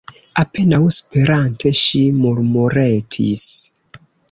Apenaŭ spirante, ŝi murmuretis: